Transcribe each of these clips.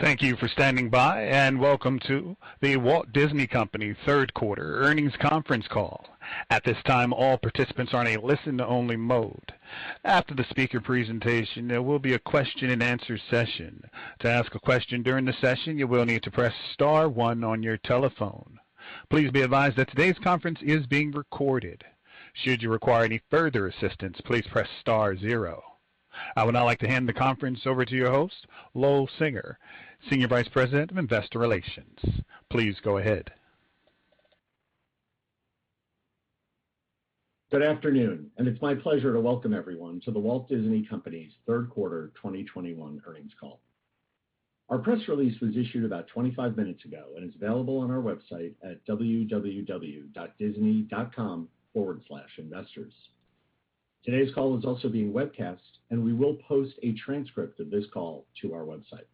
Thank you for standing by, and welcome to The Walt Disney Company third quarter earnings conference call. At this time, all participants are in a listen to only mode. After the speaker presentation, there will be a question and answer session. Please be advised that today's conference is being recorded. I would now like to hand the conference over to your host, Lowell Singer, Senior Vice President of Investor Relations. Please go ahead. Good afternoon. It's my pleasure to welcome everyone to The Walt Disney Company's third quarter 2021 earnings call. Our press release was issued about 25 minutes ago and is available on our website at www.disney.com/investors. Today's call is also being webcast, and we will post a transcript of this call to our website.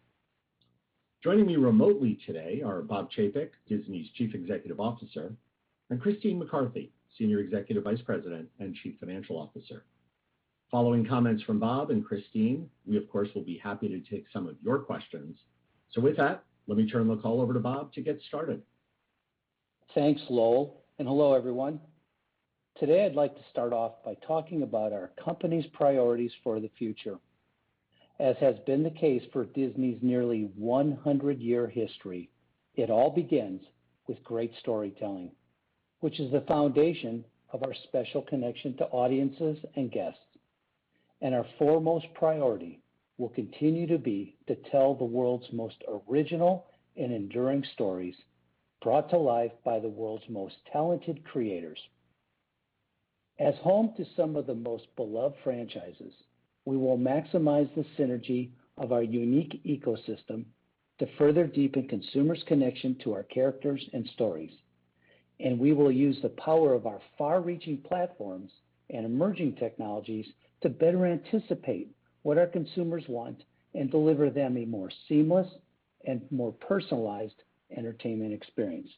Joining me remotely today are Bob Chapek, Disney's Chief Executive Officer, and Christine McCarthy, Senior Executive Vice President and Chief Financial Officer. Following comments from Bob and Christine, we of course, will be happy to take some of your questions. With that, let me turn the call over to Bob to get started. Thanks, Lowell, and hello, everyone. Today, I'd like to start off by talking about our company's priorities for the future. As has been the case for Disney's nearly 100-year history, it all begins with great storytelling, which is the foundation of our special connection to audiences and guests. Our foremost priority will continue to be to tell the world's most original and enduring stories brought to life by the world's most talented creators. As home to some of the most beloved franchises, we will maximize the synergy of our unique ecosystem to further deepen consumers' connection to our characters and stories. We will use the power of our far-reaching platforms and emerging technologies to better anticipate what our consumers want and deliver them a more seamless and more personalized entertainment experience.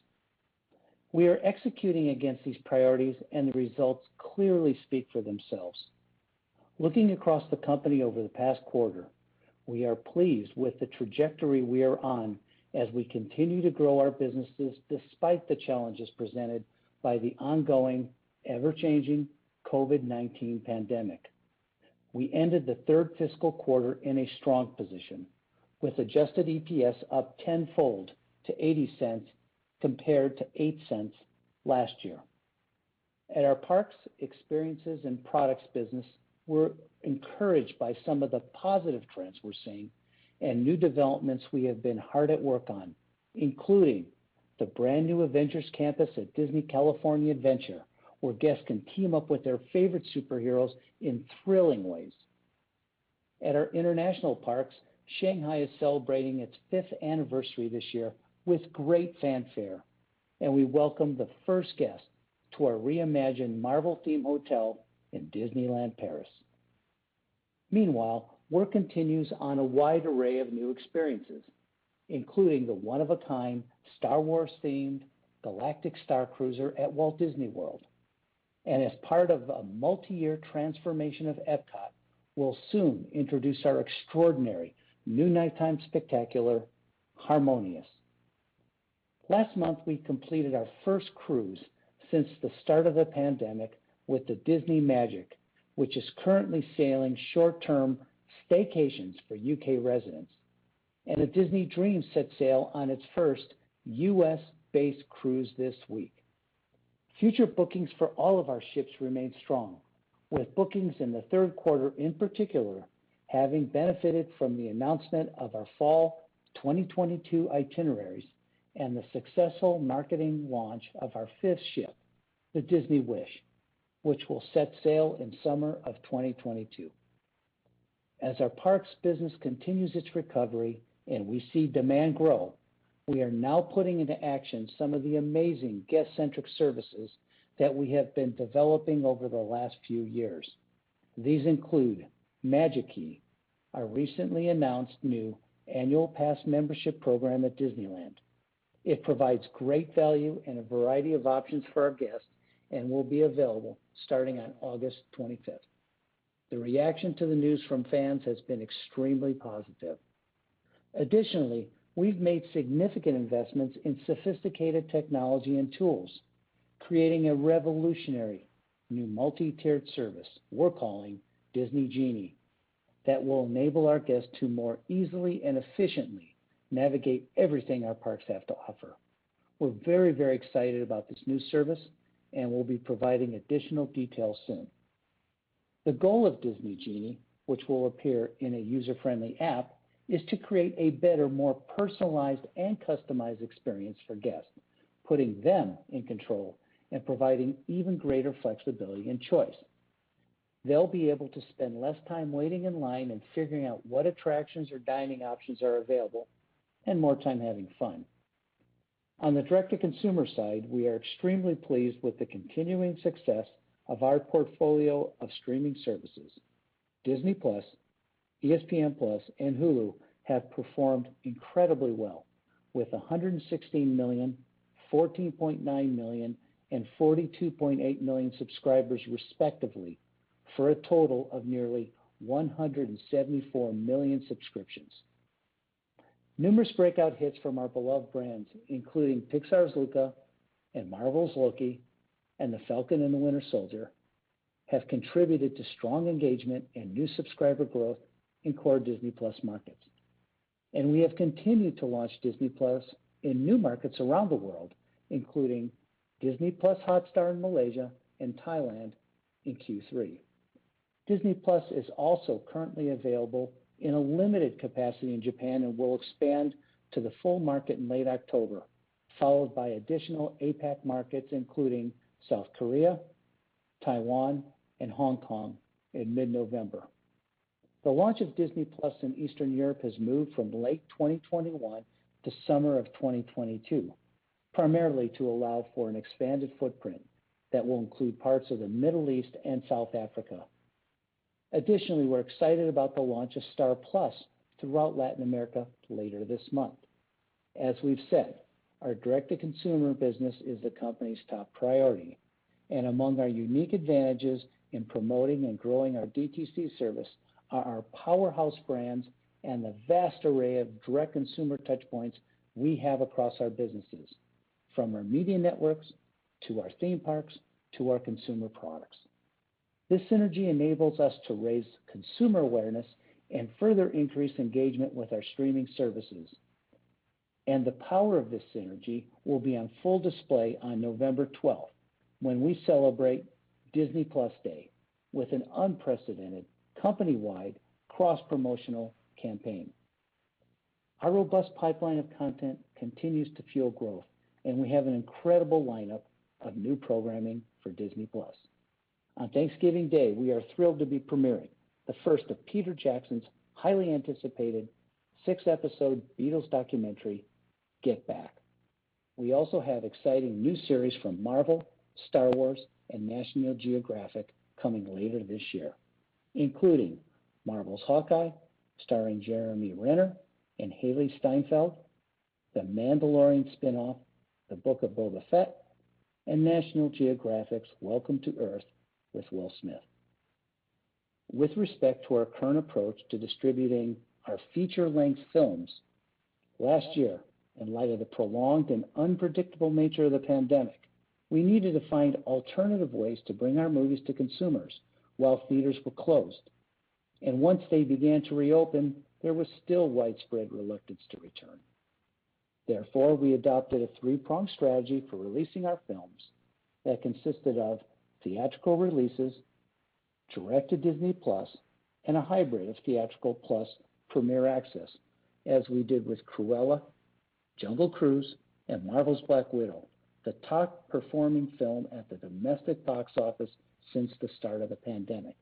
We are executing against these priorities, and the results clearly speak for themselves. Looking across the company over the past quarter, we are pleased with the trajectory we are on as we continue to grow our businesses despite the challenges presented by the ongoing, ever-changing COVID-19 pandemic. We ended the third fiscal quarter in a strong position with adjusted EPS up tenfold to $0.80 compared to $0.08 last year. At our Parks, Experiences and Products business, we're encouraged by some of the positive trends we're seeing and new developments we have been hard at work on, including the brand-new Avengers Campus at Disney California Adventure, where guests can team up with their favorite superheroes in thrilling ways. At our international parks, Shanghai is celebrating its fifth anniversary this year with great fanfare, and we welcome the first guest to our reimagined Marvel-themed hotel in Disneyland Paris. Meanwhile, work continues on a wide array of new experiences, including the one-of-a-kind Star Wars-themed Galactic Starcruiser at Walt Disney World. As part of a multi-year transformation of EPCOT, we'll soon introduce our extraordinary new nighttime spectacular, Harmonious. Last month, we completed our first cruise since the start of the pandemic with the Disney Magic, which is currently sailing short-term staycations for U.K. residents, and the Disney Dream set sail on its first U.S.-based cruise this week. Future bookings for all of our ships remain strong, with bookings in the third quarter, in particular, having benefited from the announcement of our fall 2022 itineraries and the successful marketing launch of our fifth ship, the Disney Wish, which will set sail in the summer of 2022. As our parks business continues its recovery and we see demand grow, we are now putting into action some of the amazing guest-centric services that we have been developing over the last few years. These include Magic Key, our recently announced new annual pass membership program at Disneyland. It provides great value and a variety of options for our guests and will be available starting on August 25th. The reaction to the news from fans has been extremely positive. Additionally, we've made significant investments in sophisticated technology and tools, creating a revolutionary new multi-tiered service we're calling Disney Genie that will enable our guests to more easily and efficiently navigate everything our parks have to offer. We're very excited about this new service, and we'll be providing additional details soon. The goal of Disney Genie, which will appear in a user-friendly app, is to create a better, more personalized, and customized experience for guests, putting them in control and providing even greater flexibility and choice. They'll be able to spend less time waiting in line and figuring out what attractions or dining options are available and more time having fun. On the direct-to-consumer side, we are extremely pleased with the continuing success of our portfolio of streaming services. Disney+, ESPN+, and Hulu have performed incredibly well with 116 million, 14.9 million, and 42.8 million subscribers respectively, for a total of nearly 174 million subscriptions. Numerous breakout hits from our beloved brands, including Pixar's "Luca" and Marvel's "Loki" and "The Falcon and The Winter Soldier" have contributed to strong engagement and new subscriber growth in core Disney+ markets. We have continued to launch Disney+ in new markets around the world, including Disney+ Hotstar in Malaysia and Thailand in Q3. Disney+ is also currently available in a limited capacity in Japan and will expand to the full market in late October, followed by additional APAC markets including South Korea, Taiwan, and Hong Kong in mid-November. The launch of Disney+ in Eastern Europe has moved from late 2021 to summer of 2022, primarily to allow for an expanded footprint that will include parts of the Middle East and South Africa. Additionally, we're excited about the launch of Star+ throughout Latin America later this month. As we've said, our direct-to-consumer business is the company's top priority, and among our unique advantages in promoting and growing our DTC service are our powerhouse brands and the vast array of direct consumer touchpoints we have across our businesses, from our media networks to our theme parks to our consumer products. This synergy enables us to raise consumer awareness and further increase engagement with our streaming services. The power of this synergy will be on full display on November 12th, when we celebrate Disney+ Day with an unprecedented company-wide cross-promotional campaign. Our robust pipeline of content continues to fuel growth, and we have an incredible lineup of new programming for Disney+. On Thanksgiving Day, we are thrilled to be premiering the first of Peter Jackson's highly anticipated six-episode Beatles documentary, "The Beatles: Get Back." We also have exciting new series from Marvel, Star Wars, and National Geographic coming later this year, including Marvel's "Hawkeye," starring Jeremy Renner and Hailee Steinfeld, the Mandalorian spinoff, "The Book of Boba Fett," and National Geographic's "Welcome to Earth" with Will Smith. With respect to our current approach to distributing our feature-length films, last year, in light of the prolonged and unpredictable nature of the pandemic, we needed to find alternative ways to bring our movies to consumers while theaters were closed. Once they began to reopen, there was still widespread reluctance to return. Therefore, we adopted a three-pronged strategy for releasing our films that consisted of theatrical releases, direct to Disney+, and a hybrid of theatrical plus Premier Access, as we did with "Cruella," "Jungle Cruise," and Marvel's "Black Widow," the top-performing film at the domestic box office since the start of the pandemic.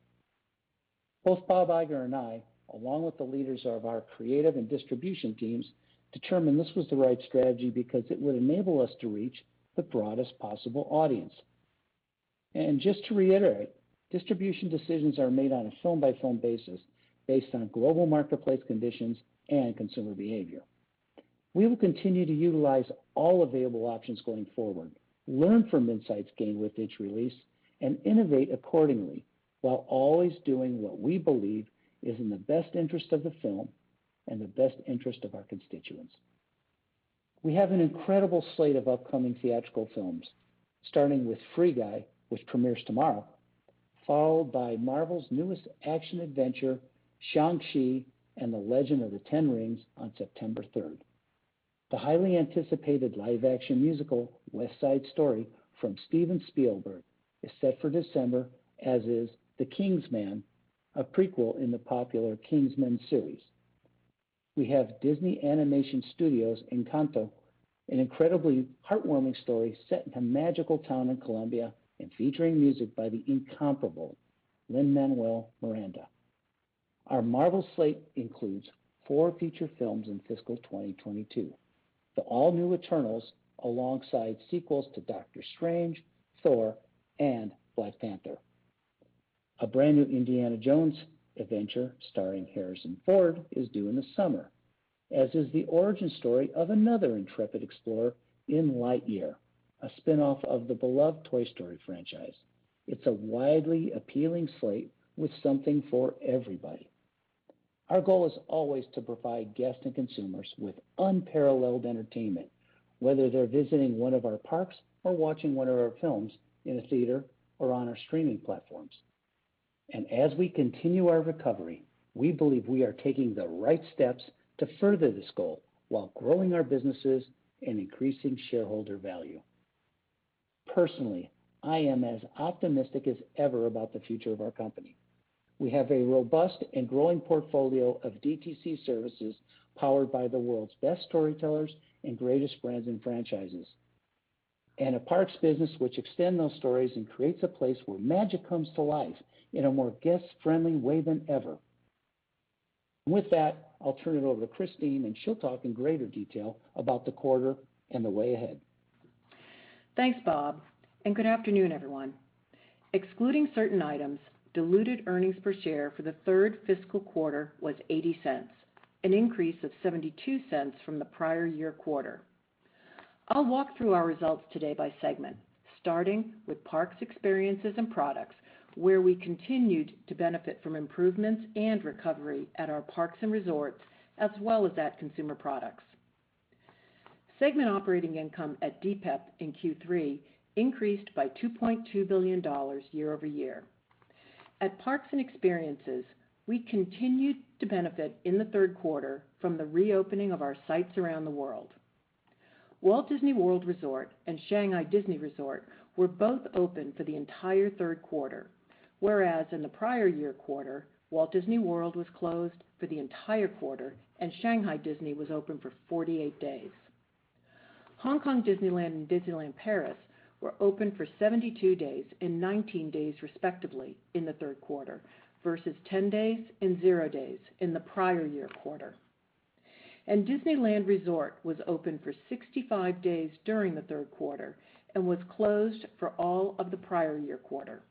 Both Bob Iger and I, along with the leaders of our creative and distribution teams, determined this was the right strategy because it would enable us to reach the broadest possible audience. Just to reiterate, distribution decisions are made on a film-by-film basis based on global marketplace conditions and consumer behavior. We will continue to utilize all available options going forward, learn from insights gained with each release, and innovate accordingly while always doing what we believe is in the best interest of the film and the best interest of our constituents. We have an incredible slate of upcoming theatrical films, starting with "Free Guy," which premieres tomorrow, followed by Marvel's newest action-adventure, "Shang-Chi and the Legend of the Ten Rings" on September 3rd. The highly anticipated live-action musical, "West Side Story" from Steven Spielberg is set for December, as is "The King's Man," a prequel in the popular Kingsman series. We have Walt Disney Animation Studios' "Encanto," an incredibly heartwarming story set in a magical town in Colombia and featuring music by the incomparable Lin-Manuel Miranda. Our Marvel slate includes four feature films in fiscal 2022. The all-new "Eternals" alongside sequels to Doctor Strange, Thor, and Black Panther. A brand-new Indiana Jones adventure starring Harrison Ford is due in the summer, as is the origin story of another intrepid explorer in "Lightyear," a spinoff of the beloved Toy Story franchise. It's a widely appealing slate with something for everybody. Our goal is always to provide guests and consumers with unparalleled entertainment, whether they're visiting one of our parks or watching one of our films in a theater or on our streaming platforms. As we continue our recovery, we believe we are taking the right steps to further this goal while growing our businesses and increasing shareholder value. Personally, I am as optimistic as ever about the future of our company. We have a robust and growing portfolio of DTC services powered by the world's best storytellers and greatest brands and franchises, and a parks business which extend those stories and creates a place where magic comes to life in a more guest-friendly way than ever. With that, I'll turn it over to Christine, and she'll talk in greater detail about the quarter and the way ahead. Thanks, Bob, and good afternoon, everyone. Excluding certain items, diluted earnings per share for the third fiscal quarter was $0.80, an increase of $0.72 from the prior year quarter. I'll walk through our results today by segment, starting with Parks, Experiences, and Products, where we continued to benefit from improvements and recovery at our parks and resorts, as well as at Consumer Products. Segment operating income at DPEP in Q3 increased by $2.2 billion year-over-year. At Parks and Experiences, we continued to benefit in the third quarter from the reopening of our sites around the world. Walt Disney World Resort and Shanghai Disney Resort were both open for the entire third quarter, whereas in the prior year quarter, Walt Disney World was closed for the entire quarter and Shanghai Disney was open for 48 days. Hong Kong Disneyland and Disneyland Paris were open for 72 days and 19 days respectively in the third quarter, versus 10 days and zero days in the prior year quarter. Disneyland Resort was open for 65 days during the third quarter and was closed for all of the prior year quarter.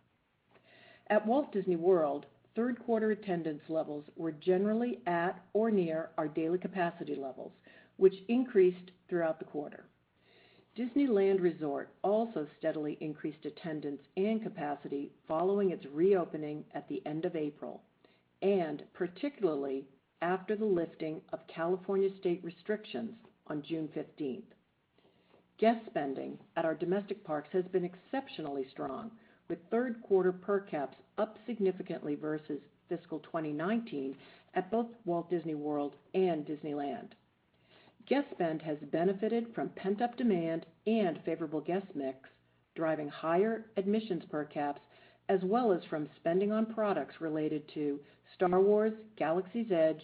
At Walt Disney World, third quarter attendance levels were generally at or near our daily capacity levels, which increased throughout the quarter. Disneyland Resort also steadily increased attendance and capacity following its reopening at the end of April, and particularly after the lifting of California state restrictions on June 15th. Guest spending at our domestic parks has been exceptionally strong, with third quarter per caps up significantly versus fiscal 2019 at both Walt Disney World and Disneyland. Guest spend has benefited from pent-up demand and favorable guest mix, driving higher admissions per caps, as well as from spending on products related to Star Wars: Galaxy's Edge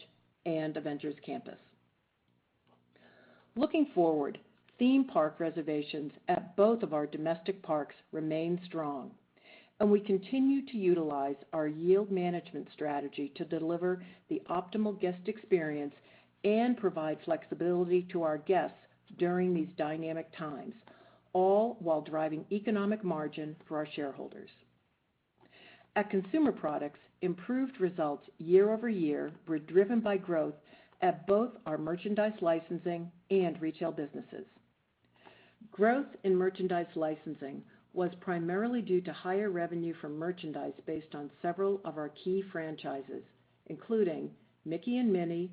and Avengers Campus. Looking forward, theme park reservations at both of our domestic parks remain strong, and we continue to utilize our yield management strategy to deliver the optimal guest experience and provide flexibility to our guests during these dynamic times, all while driving economic margin for our shareholders. At Consumer Products, improved results year-over-year were driven by growth at both our merchandise licensing and retail businesses. Growth in merchandise licensing was primarily due to higher revenue from merchandise based on several of our key franchises, including Mickey and Minnie,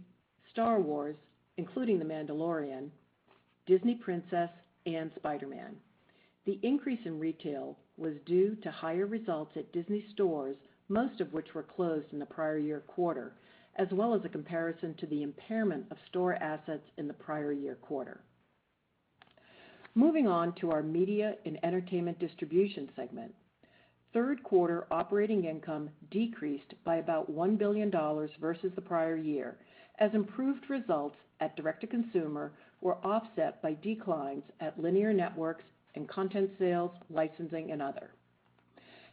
Star Wars, including The Mandalorian, Disney Princess, and Spider-Man. The increase in retail was due to higher results at Disney stores, most of which were closed in the prior year quarter, as well as a comparison to the impairment of store assets in the prior year quarter. Moving on to our Media and Entertainment Distribution segment. Third quarter operating income decreased by about $1 billion versus the prior year, as improved results at direct to consumer were offset by declines at linear networks and content sales, licensing, and other.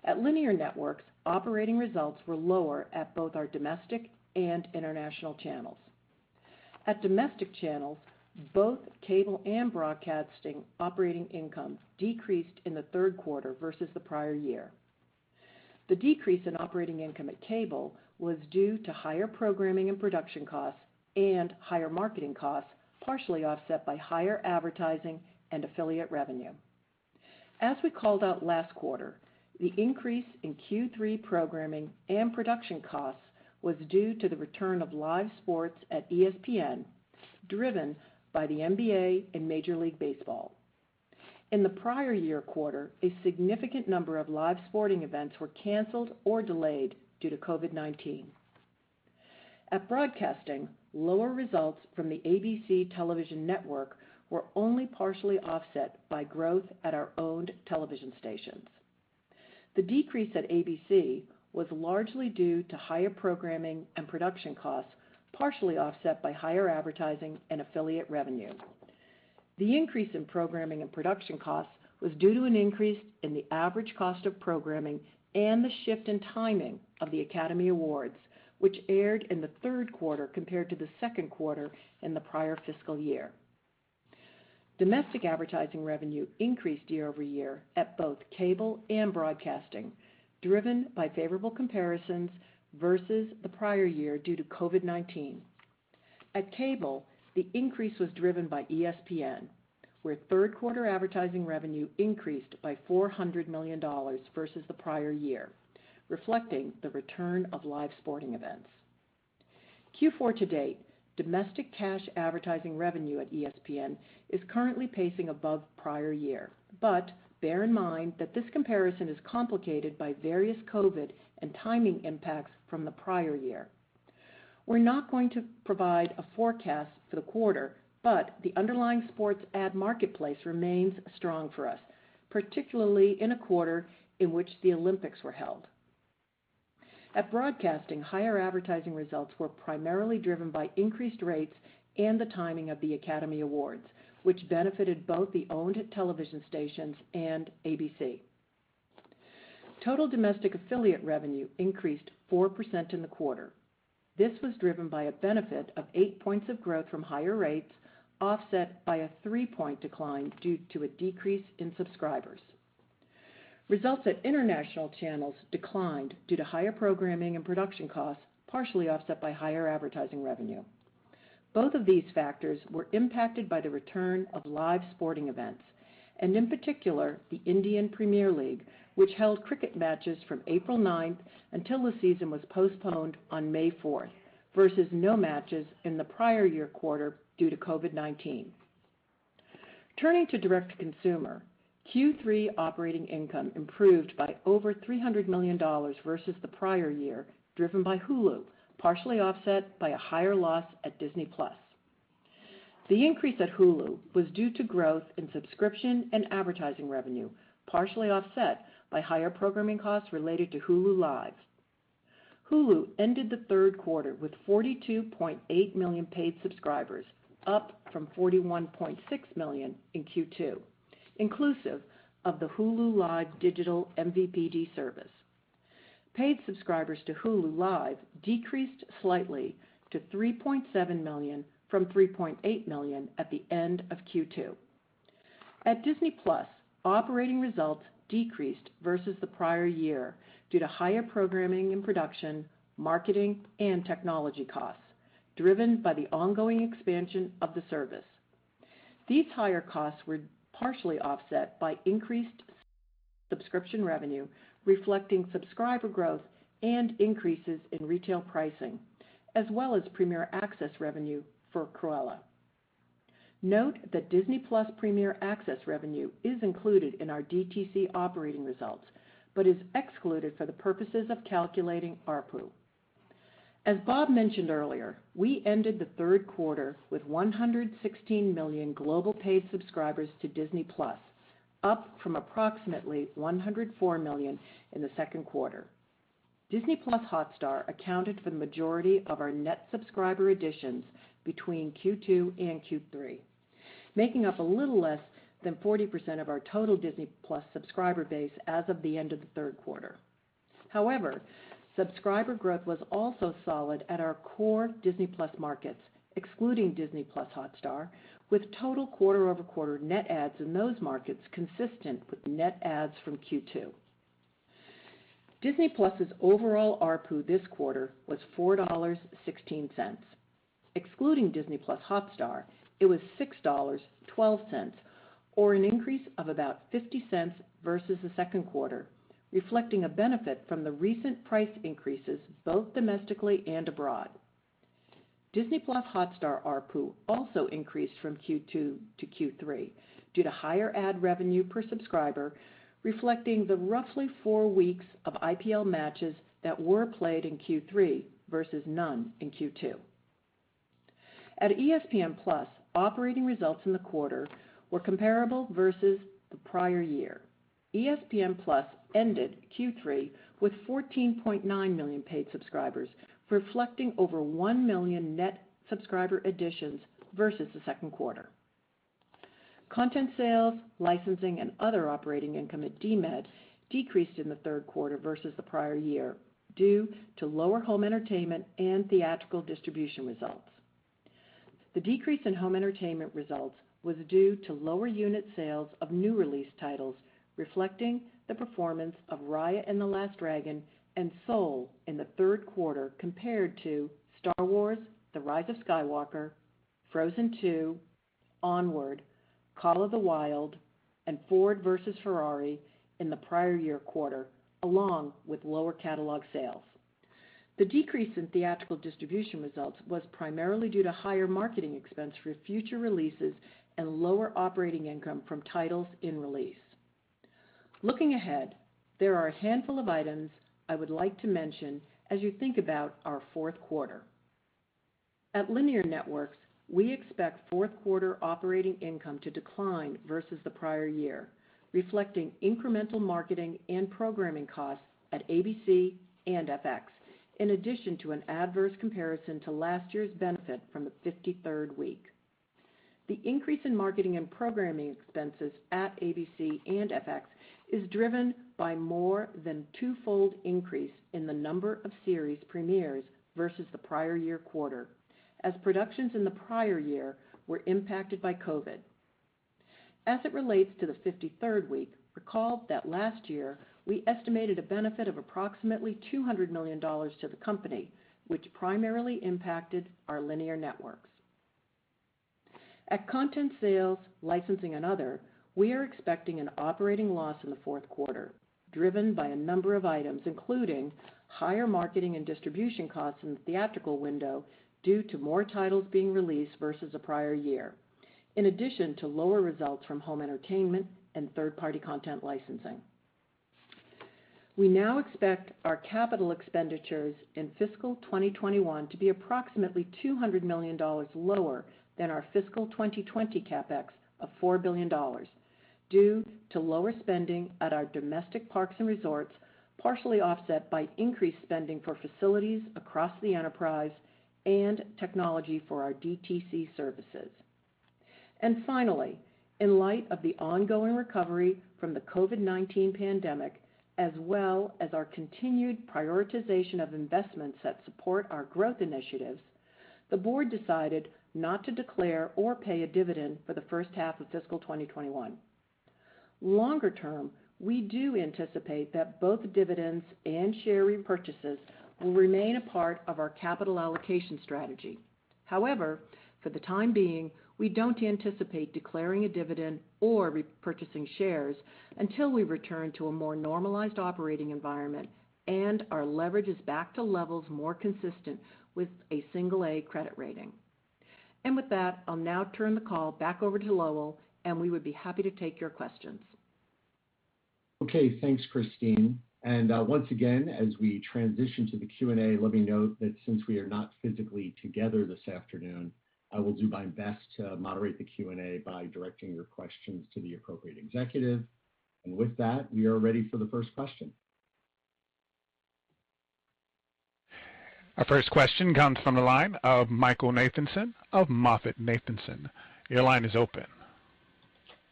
At linear networks, operating results were lower at both our domestic and international channels. At domestic channels, both cable and broadcasting operating income decreased in the third quarter versus the prior year. The decrease in operating income at cable was due to higher programming and production costs and higher marketing costs, partially offset by higher advertising and affiliate revenue. As we called out last quarter, the increase in Q3 programming and production costs was due to the return of live sports at ESPN, driven by the NBA and Major League Baseball. In the prior year quarter, a significant number of live sporting events were canceled or delayed due to COVID-19. At broadcasting, lower results from the ABC Television Network were only partially offset by growth at our owned television stations. The decrease at ABC was largely due to higher programming and production costs, partially offset by higher advertising and affiliate revenue. The increase in programming and production costs was due to an increase in the average cost of programming and the shift in timing of the Academy Awards, which aired in the third quarter compared to the second quarter in the prior fiscal year. Domestic advertising revenue increased year-over-year at both cable and broadcasting, driven by favorable comparisons versus the prior year due to COVID-19. At cable, the increase was driven by ESPN, where third quarter advertising revenue increased by $400 million versus the prior year, reflecting the return of live sporting events. Q4 to date, domestic cash advertising revenue at ESPN is currently pacing above prior year. Bear in mind that this comparison is complicated by various COVID and timing impacts from the prior year. We're not going to provide a forecast for the quarter, the underlying sports ad marketplace remains strong for us, particularly in a quarter in which the Olympics were held. At broadcasting, higher advertising results were primarily driven by increased rates and the timing of the Academy Awards, which benefited both the owned television stations and ABC. Total domestic affiliate revenue increased 4% in the quarter. This was driven by a benefit of eight points of growth from higher rates, offset by a three-point decline due to a decrease in subscribers. Results at international channels declined due to higher programming and production costs, partially offset by higher advertising revenue. Both of these factors were impacted by the return of live sporting events, and in particular, the Indian Premier League, which held cricket matches from April 9th until the season was postponed on May 4th, versus no matches in the prior year quarter due to COVID-19. Turning to direct consumer, Q3 operating income improved by over $300 million versus the prior year, driven by Hulu, partially offset by a higher loss at Disney+. The increase at Hulu was due to growth in subscription and advertising revenue, partially offset by higher programming costs related to Hulu Live. Hulu ended the third quarter with 42.8 million paid subscribers, up from 41.6 million in Q2, inclusive of the Hulu Live digital MVPD service. Paid subscribers to Hulu Live decreased slightly to 3.7 million from 3.8 million at the end of Q2. At Disney+, operating results decreased versus the prior year due to higher programming and production, marketing, and technology costs, driven by the ongoing expansion of the service. These higher costs were partially offset by increased subscription revenue, reflecting subscriber growth and increases in retail pricing, as well as Premier Access revenue for Cruella. Note that Disney+ Premier Access revenue is included in our DTC operating results but is excluded for the purposes of calculating ARPU. As Bob mentioned earlier, we ended the third quarter with 116 million global paid subscribers to Disney+, up from approximately 104 million in the second quarter. Disney+ Hotstar accounted for the majority of our net subscriber additions between Q2 and Q3, making up a little less than 40% of our total Disney+ subscriber base as of the end of the third quarter. However, subscriber growth was also solid at our core Disney+ markets, excluding Disney+ Hotstar, with total quarter-over-quarter net adds in those markets consistent with net adds from Q2. Disney+'s overall ARPU this quarter was $4.16. Excluding Disney+ Hotstar, it was $6.12, or an increase of about $0.50 versus the second quarter, reflecting a benefit from the recent price increases both domestically and abroad. Disney+ Hotstar ARPU also increased from Q2 to Q3 due to higher ad revenue per subscriber, reflecting the roughly four weeks of IPL matches that were played in Q3 versus none in Q2. At ESPN+, operating results in the quarter were comparable versus the prior year. ESPN+ ended Q3 with 14.9 million paid subscribers, reflecting over 1 million net subscriber additions versus the second quarter. Content sales, licensing, and other operating income at DMED decreased in the third quarter versus the prior year, due to lower home entertainment and theatrical distribution results. The decrease in home entertainment results was due to lower unit sales of new release titles, reflecting the performance of Raya and the Last Dragon and Soul in the third quarter compared to Star Wars: The Rise of Skywalker, Frozen 2, Onward, The Call of the Wild, and Ford v Ferrari in the prior year quarter, along with lower catalog sales. The decrease in theatrical distribution results was primarily due to higher marketing expense for future releases and lower operating income from titles in release. Looking ahead, there are a handful of items I would like to mention as you think about our fourth quarter. At Linear Networks, we expect fourth quarter operating income to decline versus the prior year, reflecting incremental marketing and programming costs at ABC and FX, in addition to an adverse comparison to last year's benefit from the 53rd week. The increase in marketing and programming expenses at ABC and FX is driven by more than twofold increase in the number of series premieres versus the prior year quarter, as productions in the prior year were impacted by COVID. As it relates to the 53rd week, recall that last year, we estimated a benefit of approximately $200 million to the company, which primarily impacted our linear networks. At Content Sales, Licensing and Other, we are expecting an operating loss in the fourth quarter, driven by a number of items, including higher marketing and distribution costs in the theatrical window due to more titles being released versus the prior year, in addition to lower results from home entertainment and third-party content licensing. We now expect our capital expenditures in fiscal 2021 to be approximately $200 million lower than our fiscal 2020 CapEx of $4 billion, due to lower spending at our domestic parks and resorts, partially offset by increased spending for facilities across the enterprise and technology for our DTC services. Finally, in light of the ongoing recovery from the COVID-19 pandemic, as well as our continued prioritization of investments that support our growth initiatives, the board decided not to declare or pay a dividend for the first half of fiscal 2021. Longer term, we do anticipate that both dividends and share repurchases will remain a part of our capital allocation strategy. However, for the time being, we don't anticipate declaring a dividend or repurchasing shares until we return to a more normalized operating environment and our leverage is back to levels more consistent with a single A credit rating. With that, I'll now turn the call back over to Lowell, and we would be happy to take your questions. Okay. Thanks, Christine. Once again, as we transition to the Q&A, let me note that since we are not physically together this afternoon, I will do my best to moderate the Q&A by directing your questions to the appropriate executive. With that, we are ready for the first question. Our first question comes from the line of Michael Nathanson of MoffettNathanson. Your line is open.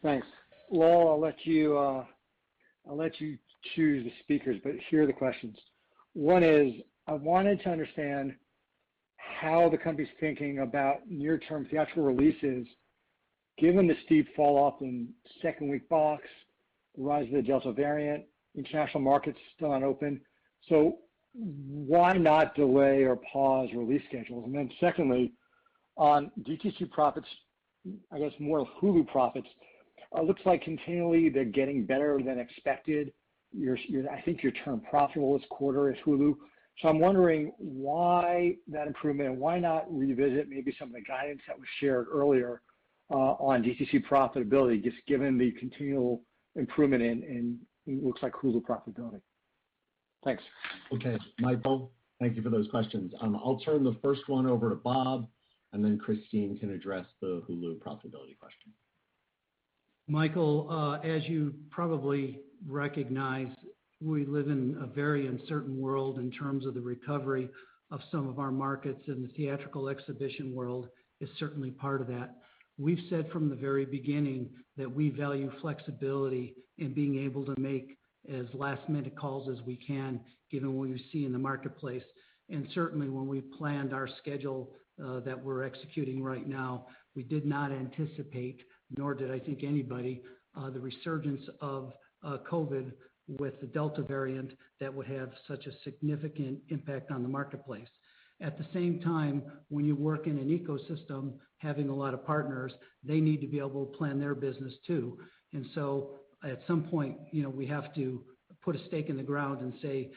Thanks. Lowell, I'll let you choose the speakers, but here are the questions. One is, I wanted to understand how the company's thinking about near-term theatrical releases, given the steep falloff in second-week box, the rise of the Delta variant, international markets still aren't open. Why not delay or pause release schedules? Secondly, on DTC profits, I guess more of Hulu profits, it looks like continually they're getting better than expected. I think your term profitable this quarter is Hulu. I'm wondering why that improvement, and why not revisit maybe some of the guidance that was shared earlier on DTC profitability, just given the continual improvement in, it looks like Hulu profitability. Thanks. Okay. Michael, thank you for those questions. I'll turn the first one over to Bob, and then Christine can address the Hulu profitability question. Michael, as you probably recognize, we live in a very uncertain world in terms of the recovery of some of our markets, and the theatrical exhibition world is certainly part of that. We've said from the very beginning that we value flexibility in being able to make as last-minute calls as we can, given what you see in the marketplace. Certainly when we planned our schedule that we're executing right now, we did not anticipate, nor did I think anybody, the resurgence of COVID with the Delta variant that would have such a significant impact on the marketplace. At the same time, when you work in an ecosystem having a lot of partners, they need to be able to plan their business too. At some point, we have to put a stake in the ground and say,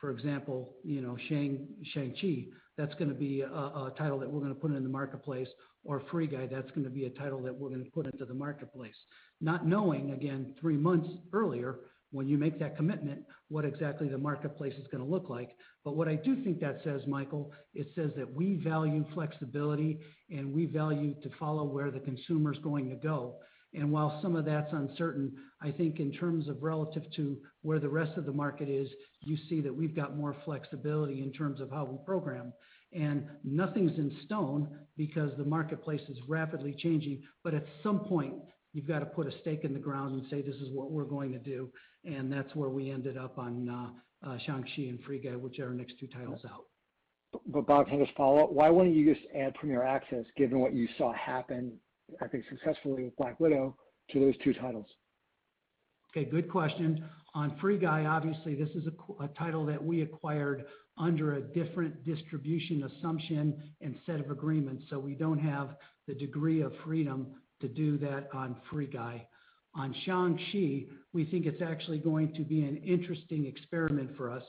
for example, Shang-Chi, that's going to be a title that we're going to put into the marketplace, or Free Guy, that's going to be a title that we're going to put into the marketplace. Not knowing, again, three months earlier when you make that commitment, what exactly the marketplace is going to look like. What I do think that says, Michael, it says that we value flexibility and we value to follow where the consumer's going to go. While some of that's uncertain, I think in terms of relative to where the rest of the market is, you see that we've got more flexibility in terms of how we program. Nothing's in stone because the marketplace is rapidly changing. At some point, you've got to put a stake in the ground and say, "This is what we're going to do." That's where we ended up on Shang-Chi and Free Guy, which are our next two titles out. Bob, can I just follow up? Why wouldn't you just add Premier Access, given what you saw happen, I think successfully with Black Widow, to those two titles? Okay, good question. On Free Guy, obviously, this is a title that we acquired under a different distribution assumption and set of agreements, so we don't have the degree of freedom to do that on Free Guy. On Shang-Chi, we think it's actually going to be an interesting experiment for us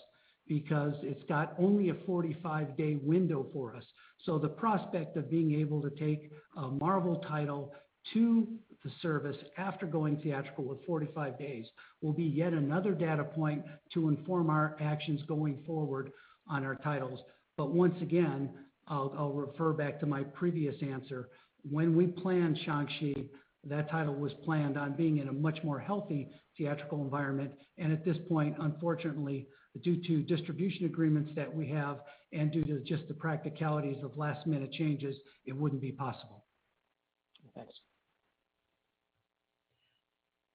because it's got only a 45-day window for us. The prospect of being able to take a Marvel title to the service after going theatrical with 45 days will be yet another data point to inform our actions going forward on our titles. Once again, I'll refer back to my previous answer. When we planned Shang-Chi, that title was planned on being in a much more healthy theatrical environment. At this point, unfortunately, due to distribution agreements that we have and due to just the practicalities of last-minute changes, it wouldn't be possible. Thanks.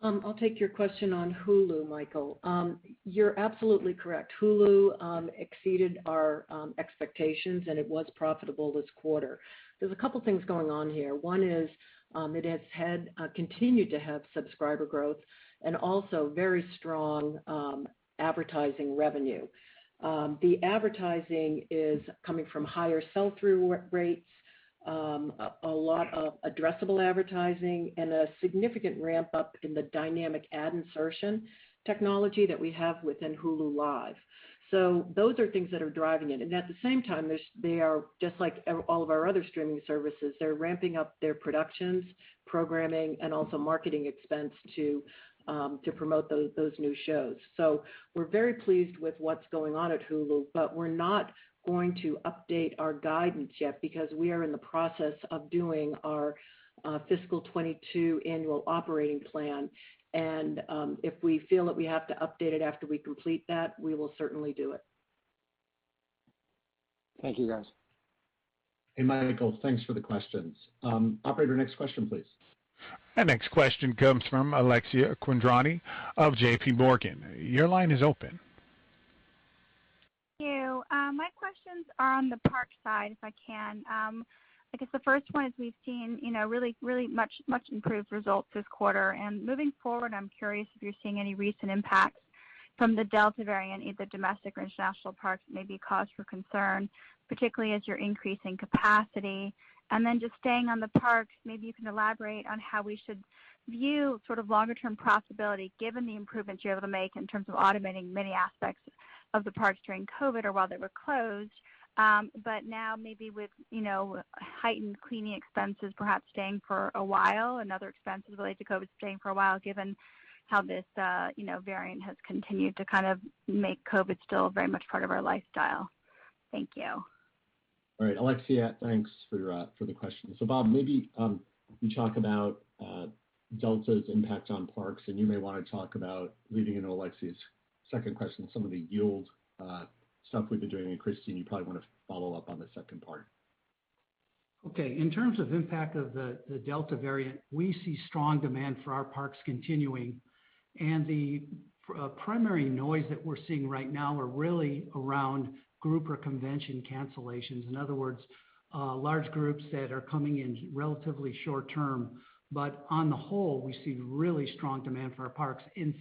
I'll take your question on Hulu, Michael. You're absolutely correct. Hulu exceeded our expectations, and it was profitable this quarter. There's a couple things going on here. One is it has continued to have subscriber growth and also very strong advertising revenue. The advertising is coming from higher sell-through rates, a lot of addressable advertising, and a significant ramp-up in the dynamic ad insertion technology that we have within Hulu Live. Those are things that are driving it. At the same time, they are just like all of our other streaming services. They're ramping up their productions, programming, and also marketing expense to promote those new shows. We're very pleased with what's going on at Hulu, but we're not going to update our guidance yet because we are in the process of doing our fiscal 2022 annual operating plan. If we feel that we have to update it after we complete that, we will certainly do it. Thank you, guys. Hey, Michael, thanks for the questions. Operator, next question, please. The next question comes from Alexia Quadrani of JPMorgan. Your line is open. Thank you. My questions are on the parks side, if I can. I guess the first one is we've seen really much improved results this quarter. Moving forward, I'm curious if you're seeing any recent impacts from the Delta variant, either domestic or international parks that may be a cause for concern, particularly as you're increasing capacity. Just staying on the parks, maybe you can elaborate on how we should view sort of longer-term profitability, given the improvements you're able to make in terms of automating many aspects of the parks during COVID or while they were closed. Now maybe with heightened cleaning expenses perhaps staying for a while and other expenses related to COVID staying for a while, given how this variant has continued to kind of make COVID still very much part of our lifestyle. Thank you. All right, Alexia, thanks for the question. Bob, maybe you talk about Delta's impact on parks, and you may want to talk about leading into Alexia's second question, some of the yield stuff we've been doing. Christine, you probably want to follow up on the second part. Okay. In terms of impact of the Delta variant, we see strong demand for our parks continuing. The primary noise that we're seeing right now are really around group or convention cancellations. In other words, large groups that are coming in relatively short term. On the whole, we see really strong demand for our parks. In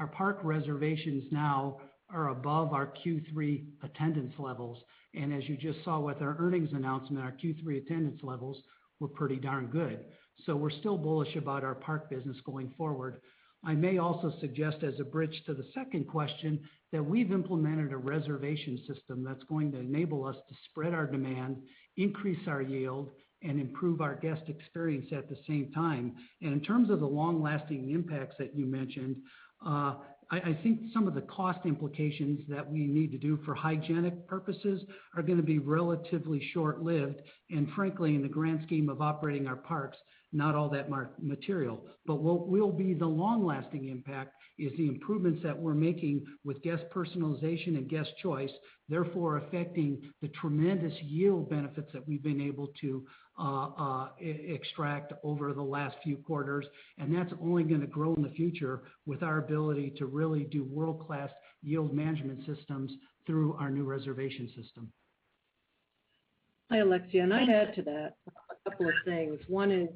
fact, our park reservations now are above our Q3 attendance levels. As you just saw with our earnings announcement, our Q3 attendance levels were pretty darn good. We're still bullish about our park business going forward. I may also suggest as a bridge to the second question, that we've implemented a reservation system that's going to enable us to spread our demand, increase our yield, and improve our guest experience at the same time. In terms of the long-lasting impacts that you mentioned, I think some of the cost implications that we need to do for hygienic purposes are going to be relatively short-lived, and frankly, in the grand scheme of operating our parks, not all that material. But what will be the long-lasting impact is the improvements that we're making with guest personalization and guest choice, therefore affecting the tremendous yield benefits that we've been able to extract over the last few quarters. And that's only going to grow in the future with our ability to really do world-class yield management systems through our new reservation system. Hi, Alexia. I'd add to that a couple of things. one is,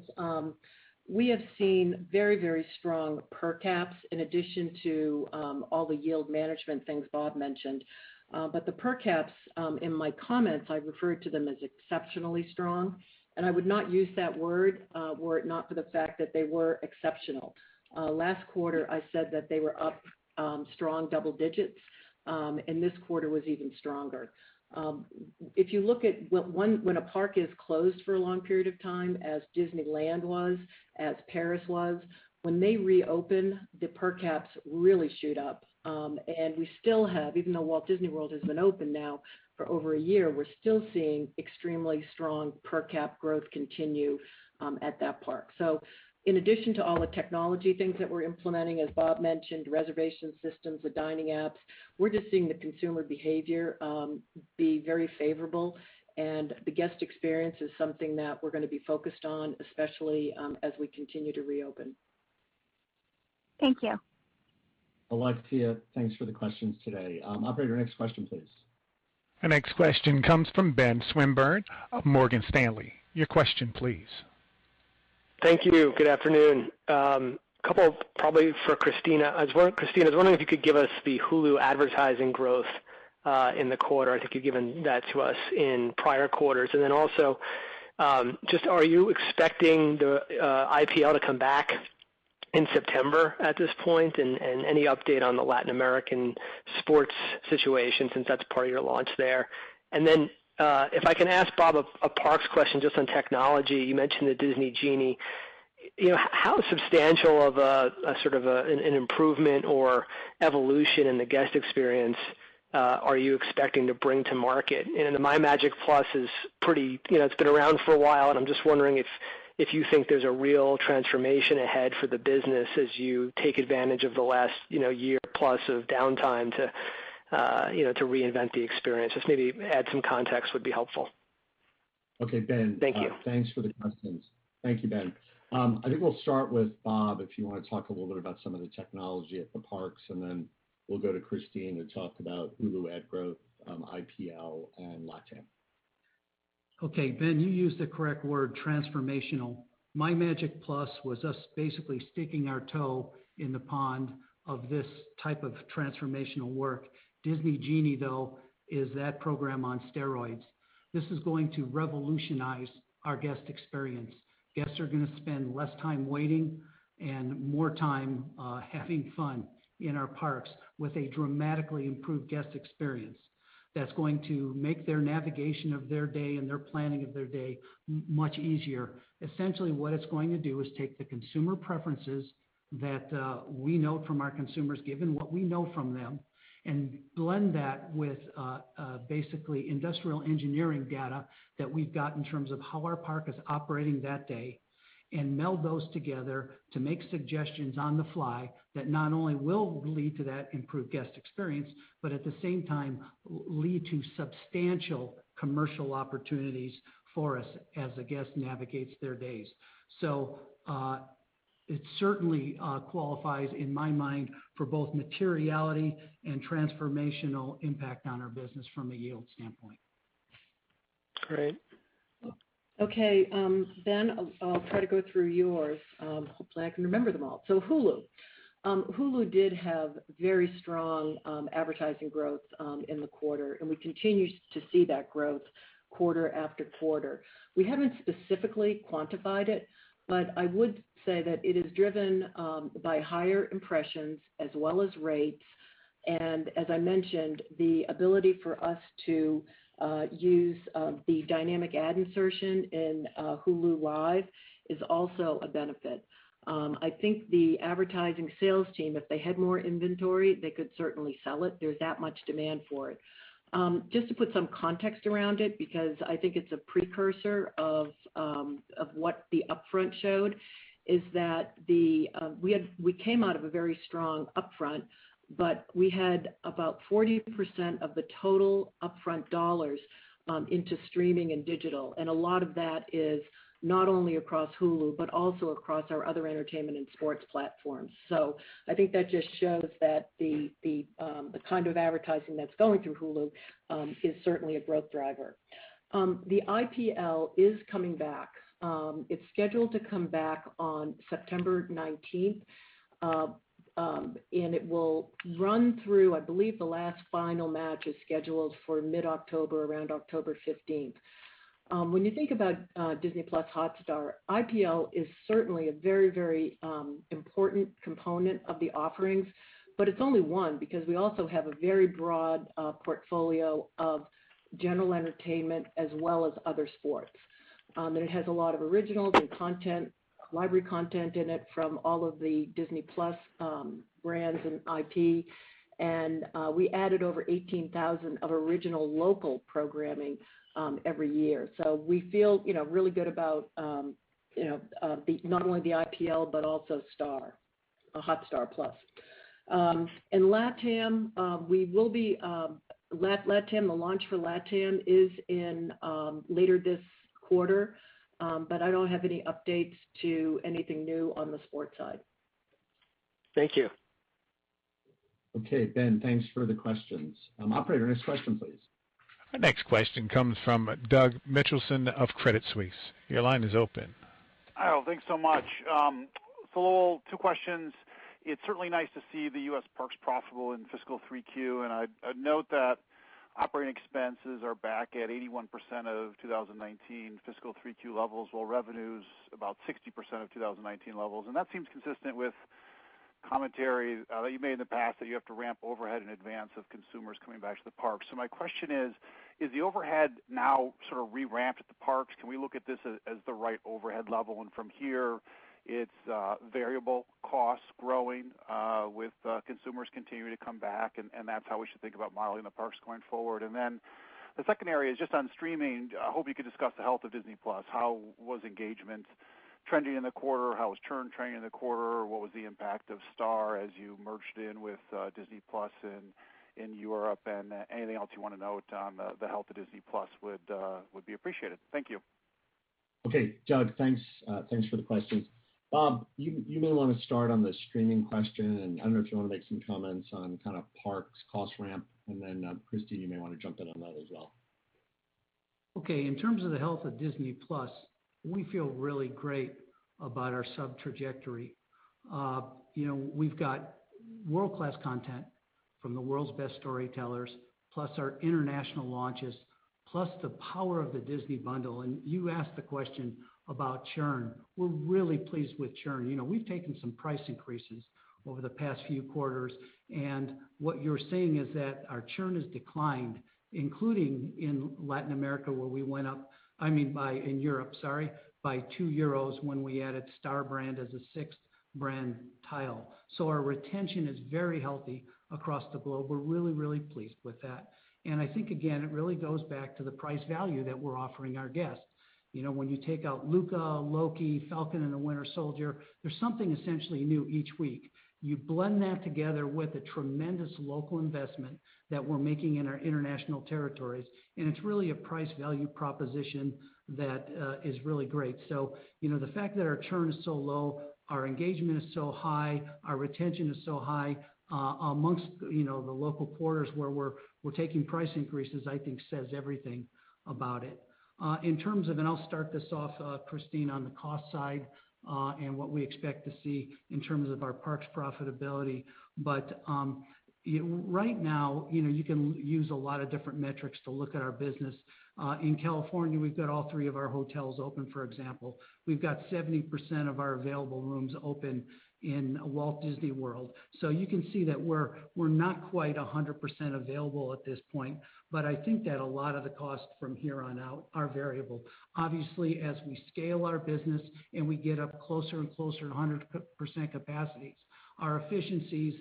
we have seen very strong per caps in addition to all the yield management things Bob mentioned. The per caps, in my comments, I referred to them as exceptionally strong, and I would not use that word were it not for the fact that they were exceptional. Last quarter, I said that they were up strong double digits, and this quarter was even stronger. If you look at when a park is closed for a long period of time, as Disneyland was, as Paris was, when they reopen, the per caps really shoot up. We still have, even though Walt Disney World has been open now for over a year, we're still seeing extremely strong per cap growth continue at that park. In addition to all the technology things that we're implementing, as Bob mentioned, reservation systems, the dining apps, we're just seeing the consumer behavior be very favorable. The guest experience is something that we're going to be focused on, especially as we continue to reopen. Thank you. Alexia, thanks for the questions today. Operator, next question, please. The next question comes from Ben Swinburne of Morgan Stanley. Your question, please. Thank you. Good afternoon. A couple probably for Christine. Christine, I was wondering if you could give us the Hulu advertising growth in the quarter. I think you've given that to us in prior quarters. Are you expecting the IPL to come back in September at this point? Any update on the Latin American sports situation since that's part of your launch there? If I can ask Bob a parks question just on technology. You mentioned the Disney Genie. How substantial of a sort of an improvement or evolution in the guest experience are you expecting to bring to market? The MyMagic+ is pretty. It's been around for a while. I'm just wondering if you think there's a real transformation ahead for the business as you take advantage of the last year plus of downtime to reinvent the experience. Just maybe add some context would be helpful. Okay, Ben. Thank you. Thanks for the questions. Thank you, Ben. I think we'll start with Bob, if you want to talk a little bit about some of the technology at the parks, then we'll go to Christine to talk about Hulu ad growth, IPL, and LatAm. Ben, you used the correct word, transformational. MyMagic+ was us basically sticking our toe in the pond of this type of transformational work. Disney Genie, though, is that program on steroids. This is going to revolutionize our guest experience. Guests are going to spend less time waiting and more time having fun in our parks with a dramatically improved guest experience that's going to make their navigation of their day and their planning of their day much easier. Essentially, what it's going to do is take the consumer preferences that we note from our consumers, given what we know from them, and blend that with basically industrial engineering data that we've got in terms of how our park is operating that day and meld those together to make suggestions on the fly that not only will lead to that improved guest experience, but at the same time, lead to substantial commercial opportunities for us as a guest navigates their days. It certainly qualifies in my mind for both materiality and transformational impact on our business from a yield standpoint. Great. Okay. Ben, I'll try to go through yours. Hopefully, I can remember them all. Hulu. Hulu did have very strong advertising growth in the quarter, and we continue to see that growth quarter after quarter. We haven't specifically quantified it, but I would say that it is driven by higher impressions as well as rates. As I mentioned, the ability for us to use the dynamic ad insertion in Hulu Live is also a benefit. I think the advertising sales team, if they had more inventory, they could certainly sell it. There's that much demand for it. Just to put some context around it, because I think it's a precursor of what the upfront showed, is that we came out of a very strong upfront, but we had about 40% of the total upfront dollars into streaming and digital. A lot of that is not only across Hulu but also across our other entertainment and sports platforms. I think that just shows that the kind of advertising that's going through Hulu is certainly a growth driver. The IPL is coming back. It's scheduled to come back on September 19th and it will run through, I believe, the last final match is scheduled for mid-October, around October 15th. When you think about Disney+ Hotstar, IPL is certainly a very important component of the offerings, but it's only one because we also have a very broad portfolio of general entertainment as well as other sports. It has a lot of originals and library content in it from all of the Disney+ brands and IP, and we added over 18,000 of original local programming every year. We feel really good about not only the IPL but also Hotstar+. LatAm, the launch for LatAm is in later this quarter, but I don't have any updates to anything new on the sports side. Thank you. Okay, Ben, thanks for the questions. Operator, next question please. The next question comes from Doug Mitchelson of Credit Suisse. Your line is open. Hi all. Thanks so much. Two questions. It's certainly nice to see the U.S. parks profitable in fiscal 3Q, and I note that operating expenses are back at 81% of 2019 fiscal 3Q levels, while revenue's about 60% of 2019 levels. That seems consistent with commentary that you made in the past that you have to ramp overhead in advance of consumers coming back to the parks. My question is the overhead now sort of re-ramped at the parks? Can we look at this as the right overhead level and from here it's variable costs growing with consumers continuing to come back and that's how we should think about modeling the parks going forward? The second area is just on streaming. I hope you could discuss the health of Disney+. How was engagement trending in the quarter? How was churn trending in the quarter? What was the impact of Star as you merged in with Disney+ in Europe and anything else you want to note on the health of Disney+ would be appreciated? Thank you. Okay, Doug, thanks for the questions. Bob, you may want to start on the streaming question, and I don't know if you want to make some comments on kind of parks cost ramp, and then Christine, you may want to jump in on that as well. In terms of the health of Disney+, we feel really great about our sub trajectory. We've got world-class content from the world's best storytellers, plus our international launches, plus the power of the Disney bundle. You asked the question about churn. We're really pleased with churn. We've taken some price increases over the past few quarters, what you're seeing is that our churn has declined, including in Latin America, where, I mean, in Europe, sorry, by 2 euros when we added Star brand as a sixth brand tile. Our retention is very healthy across the globe. We're really pleased with that. I think, again, it really goes back to the price value that we're offering our guests. When you take out Luca, Loki, The Falcon and The Winter Soldier, there's something essentially new each week. You blend that together with a tremendous local investment that we're making in our international territories, it's really a price value proposition that is really great. The fact that our churn is so low, our engagement is so high, our retention is so high amongst the local quarters where we're taking price increases, I think says everything about it. In terms of, I'll start this off, Christine, on the cost side and what we expect to see in terms of our parks profitability. Right now, you can use a lot of different metrics to look at our business. In California, we've got all three of our hotels open, for example. We've got 70% of our available rooms open in Walt Disney World. You can see that we're not quite 100% available at this point, but I think that a lot of the costs from here on out are variable. Obviously, as we scale our business and we get up closer and closer to 100% capacities, our efficiencies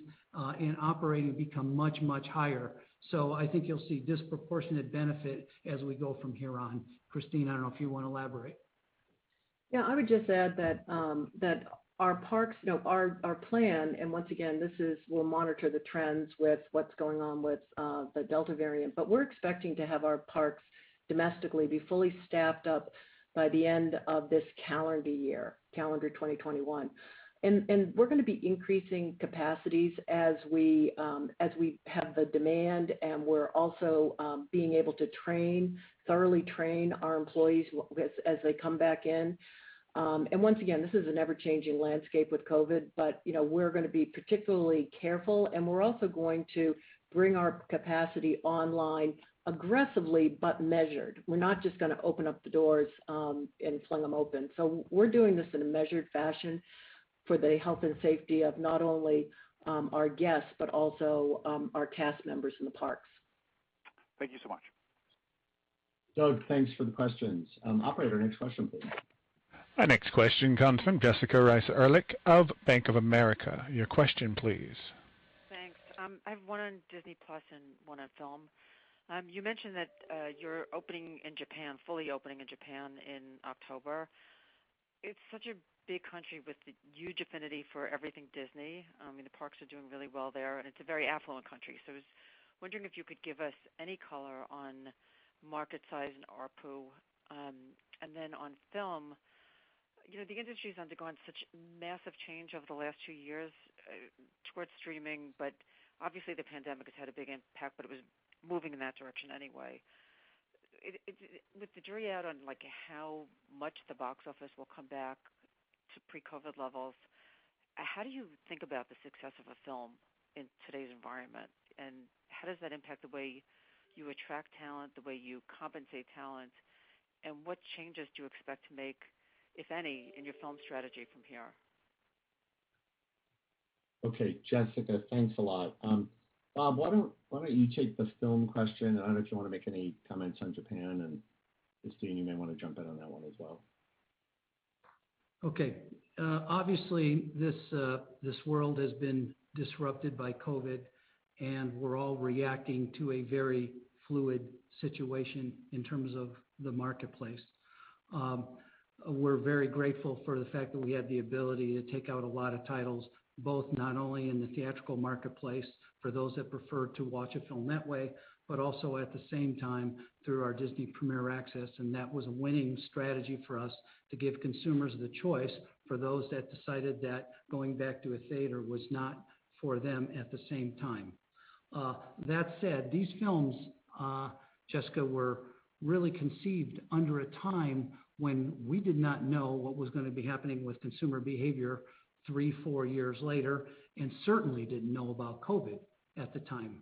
in operating become much higher. I think you'll see disproportionate benefit as we go from here on. Christine, I don't know if you want to elaborate. Yeah, I would just add that our plan, and once again, we'll monitor the trends with what's going on with the Delta variant, but we're expecting to have our parks domestically be fully staffed up by the end of this calendar year, calendar 2021. We're going to be increasing capacities as we have the demand, and we're also being able to thoroughly train our employees as they come back in. Once again, this is an ever-changing landscape with COVID, but we're going to be particularly careful, and we're also going to bring our capacity online aggressively, but measured. We're not just going to open up the doors and fling them open. We're doing this in a measured fashion for the health and safety of not only our guests, but also our cast members in the parks. Thank you so much. Doug, thanks for the questions. Operator, next question, please. Our next question comes from Jessica Reif Ehrlich of Bank of America. Your question, please. Thanks. I have one on Disney+ and one on film. You mentioned that you're fully opening in Japan in October. It's such a big country with a huge affinity for everything Disney. I mean, the parks are doing really well there, and it's a very affluent country. I was wondering if you could give us any color on market size and ARPU. On film, the industry's undergone such massive change over the last two years towards streaming, but obviously the pandemic has had a big impact, but it was moving in that direction anyway. With the jury out on how much the box office will come back to pre-COVID levels, how do you think about the success of a film in today's environment, and how does that impact the way you attract talent, the way you compensate talent, and what changes do you expect to make, if any, in your film strategy from here? Okay. Jessica, thanks a lot. Bob, why don't you take the film question, and I don't know if you want to make any comments on Japan, and Christine, you may want to jump in on that one as well. Okay. Obviously, this world has been disrupted by COVID, and we're all reacting to a very fluid situation in terms of the marketplace. We're very grateful for the fact that we had the ability to take out a lot of titles, both not only in the theatrical marketplace, for those that prefer to watch a film that way, but also at the same time through our Disney Premier Access, and that was a winning strategy for us to give consumers the choice for those that decided that going back to a theater was not for them at the same time. That said, these films, Jessica, were really conceived under a time when we did not know what was going to be happening with consumer behavior three, four years later, and certainly didn't know about COVID at the time.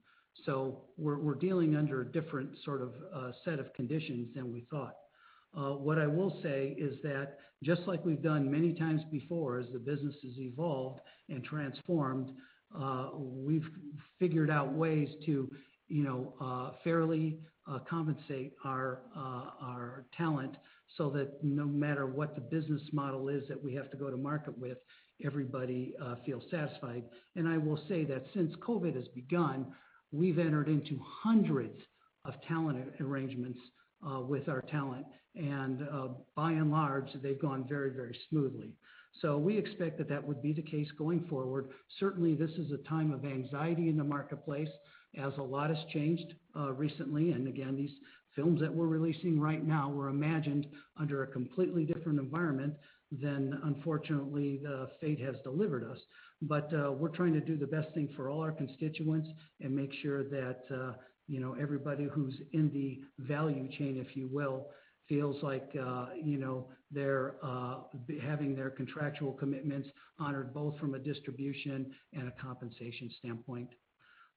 We're dealing under a different set of conditions than we thought. What I will say is that just like we've done many times before, as the business has evolved and transformed, we've figured out ways to fairly compensate our talent so that no matter what the business model is that we have to go to market with, everybody feels satisfied. I will say that since COVID-19 has begun, we've entered into hundreds of talent arrangements with our talent, and by and large, they've gone very smoothly. We expect that that would be the case going forward. Certainly, this is a time of anxiety in the marketplace as a lot has changed recently, and again, these films that we're releasing right now were imagined under a completely different environment than, unfortunately, fate has delivered us. We're trying to do the best thing for all our constituents and make sure that everybody who's in the value chain, if you will, feels like they're having their contractual commitments honored, both from a distribution and a compensation standpoint.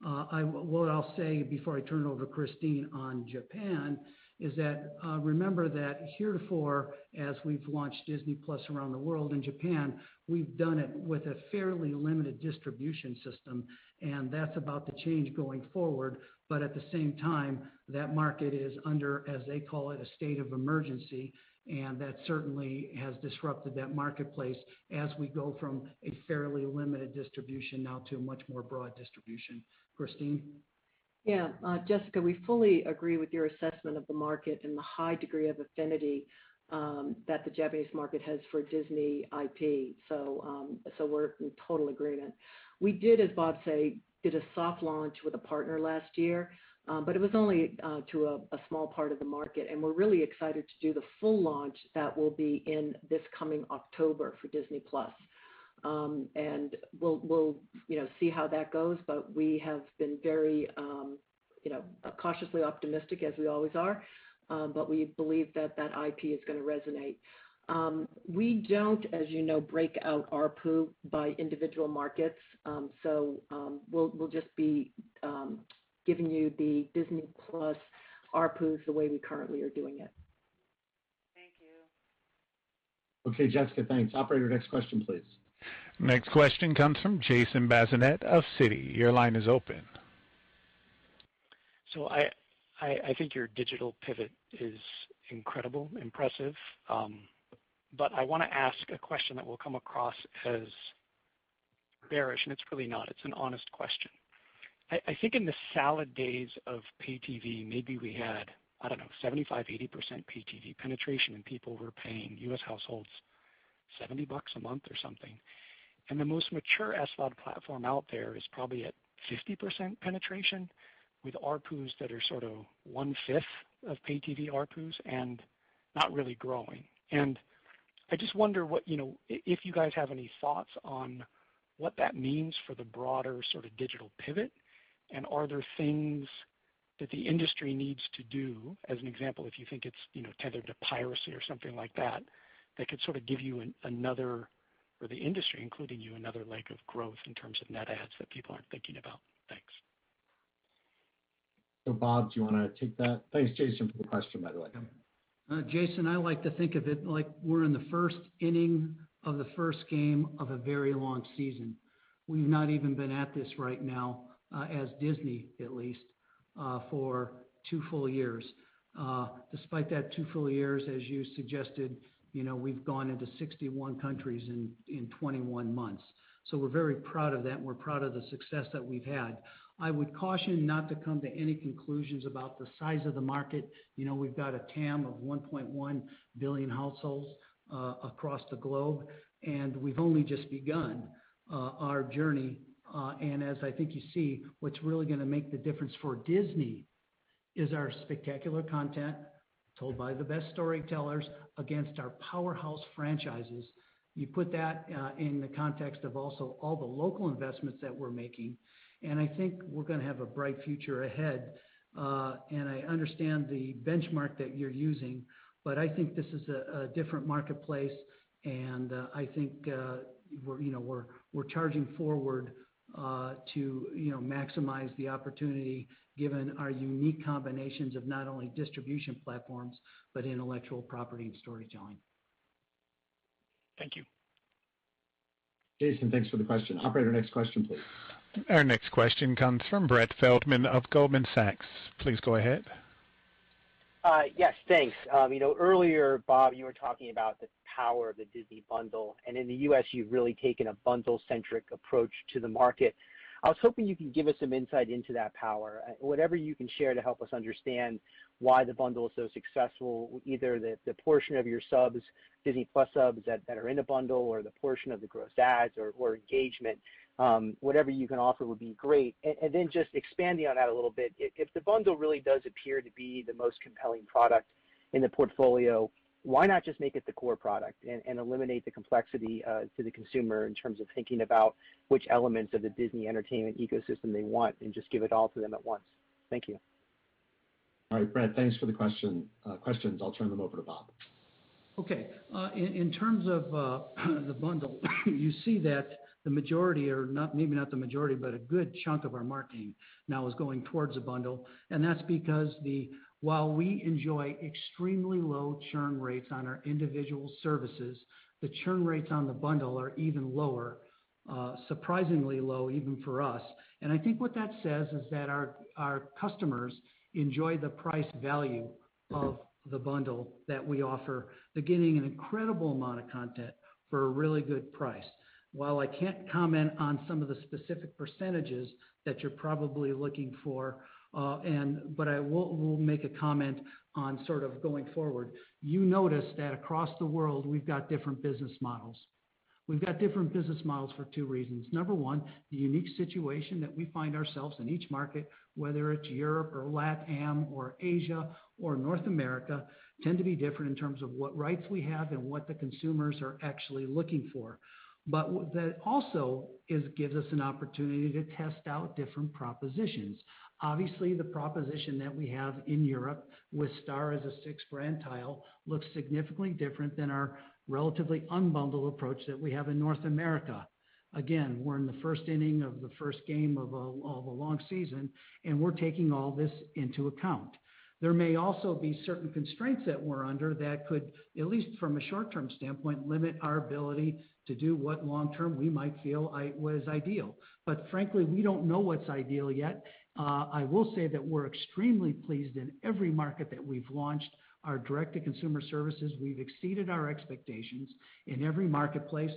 What I'll say before I turn it over to Christine on Japan is that, remember that heretofore, as we've launched Disney+ around the world, in Japan, we've done it with a fairly limited distribution system, and that's about to change going forward. At the same time, that market is under, as they call it, a state of emergency, and that certainly has disrupted that marketplace as we go from a fairly limited distribution now to a much more broad distribution. Christine? Jessica, we fully agree with your assessment of the market and the high degree of affinity that the Japanese market has for Disney IP. We're in total agreement. We did, as Bob say, did a soft launch with a partner last year, but it was only to a small part of the market, and we're really excited to do the full launch that will be in this coming October for Disney+. We'll see how that goes, but we have been very cautiously optimistic as we always are, but we believe that that IP is going to resonate. We do not, as you know, break out ARPU by individual markets. We'll just be giving you the Disney+ ARPUs the way we currently are doing it. Thank you. Okay, Jessica, thanks. Operator, next question, please. Next question comes from Jason Bazinet of Citi. Your line is open. I think your digital pivot is incredible, impressive. I want to ask a question that will come across as bearish, and it's really not. It's an honest question. I think in the salad days of pay TV, maybe we had, I don't know, 75%, 80% pay TV penetration and people were paying, U.S. households, $70 a month or something. The most mature SVOD platform out there is probably at 50% penetration with ARPUs that are one-fifth of pay TV ARPUs and not really growing. I just wonder if you guys have any thoughts on what that means for the broader digital pivot, and are there things that the industry needs to do, as an example, if you think it's tethered to piracy or something like that could give you or the industry, including you, another leg of growth in terms of net adds that people aren't thinking about. Thanks. Bob, do you want to take that? Thanks, Jason, for the question, by the way. Jason, I like to think of it like we're in the first inning of the first game of a very long season. We've not even been at this right now, as Disney at least, for two full years. Despite that two full years, as you suggested, we've gone into 61 countries in 21 months. We're very proud of that, and we're proud of the success that we've had. I would caution not to come to any conclusions about the size of the market. We've got a TAM of 1.1 billion households across the globe, and we've only just begun our journey. As I think you see, what's really going to make the difference for Disney is our spectacular content told by the best storytellers against our powerhouse franchises. You put that in the context of also all the local investments that we're making, and I think we're going to have a bright future ahead. I understand the benchmark that you're using, but I think this is a different marketplace, and I think we're charging forward to maximize the opportunity given our unique combinations of not only distribution platforms, but intellectual property and storytelling. Thank you. Jason, thanks for the question. Operator, next question, please. Our next question comes from Brett Feldman of Goldman Sachs. Please go ahead. Yes, thanks. Earlier Bob, you were talking about the power of the Disney bundle, and in the U.S. you've really taken a bundle-centric approach to the market. I was hoping you could give us some insight into that power. Whatever you can share to help us understand why the bundle is so successful, either the portion of your subs, Disney+ subs that are in a bundle, or the portion of the gross adds or engagement. Whatever you can offer would be great. Expanding on that a little bit, if the bundle really does appear to be the most compelling product in the portfolio, why not just make it the core product and eliminate the complexity to the consumer in terms of thinking about which elements of the Disney entertainment ecosystem they want, and just give it all to them at once? Thank you. All right, Brett. Thanks for the questions. I'll turn them over to Bob. Okay. In terms of the bundle, you see that the majority, or maybe not the majority, but a good chunk of our marketing now is going towards the bundle. That's because while we enjoy extremely low churn rates on our individual services, the churn rates on the bundle are even lower, surprisingly low even for us. I think what that says is that our customers enjoy the price value of the bundle that we offer. They're getting an incredible amount of content for a really good price. While I can't comment on some of the specific percentages that you're probably looking for, but I will make a comment on going forward. You notice that across the world, we've got different business models. We've got different business models for two reasons. Number one, the unique situation that we find ourselves in each market, whether it's Europe or LatAm or Asia or North America, tend to be different in terms of what rights we have and what the consumers are actually looking for. That also gives us an opportunity to test out different propositions. Obviously, the proposition that we have in Europe with Star as a sixth brand tile looks significantly different than our relatively unbundled approach that we have in North America. Again, we're in the first inning of the first game of a long season, and we're taking all this into account. There may also be certain constraints that we're under that could, at least from a short-term standpoint, limit our ability to do what long-term we might feel was ideal. Frankly, we don't know what's ideal yet. I will say that we're extremely pleased in every market that we've launched our direct-to-consumer services. We've exceeded our expectations in every marketplace.